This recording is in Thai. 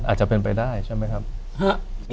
อาจจะเป็นไปได้ใช่ไหมครับ